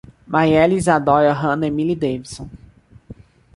Mariele, Izadora, Hanna, Emile e Deivison